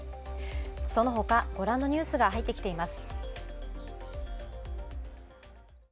そのほか、ご覧のニュースが入ってきています。